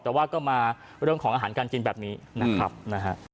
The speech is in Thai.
แต่ว่าก็มาเรื่องของอาหารการกินแบบนี้นะครับนะฮะ